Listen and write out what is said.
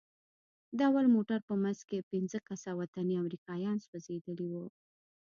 د اول موټر په منځ کښې پينځه کسه وطني امريکايان سوځېدلي وو.